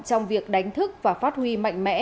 trong việc đánh thức và phát huy mạnh mẽ